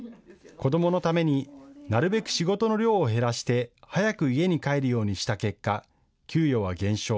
子どものためになるべく仕事の量を減らして早く家に帰るようにした結果、給与は減少。